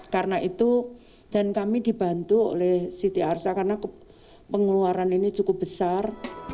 karena itu dan kami dibantu oleh ct arsa karena pengeluaran ini cukup besar